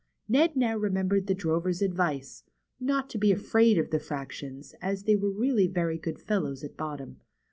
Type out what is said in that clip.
Ned now remembered the drover's advice, — not to be afraid of the fractions, as they were really very good fellows at bottom.